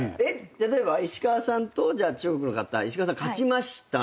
例えば石川さんと中国の方石川さん勝ちました。